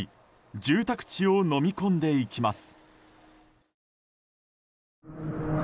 住宅地をのみ込んでいきます。